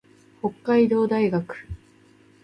北海道大学